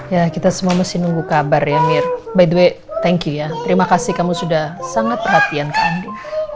ya kita semua masih nunggu kabar ya mir by the way thank you ya terima kasih kamu sudah sangat perhatian ke andi